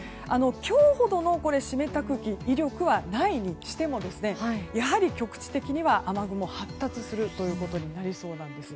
今日ほどの湿った空気威力はないにしてもやはり局地的には雨雲が発達することになりそうです。